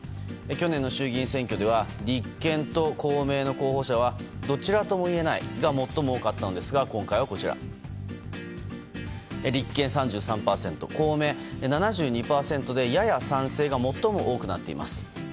去年の衆議院選挙では立憲と公明の候補者はどちらとも言えないが最も多かったのですが今回は立憲３３％、公明７２％でやや賛成が最も多くなっています。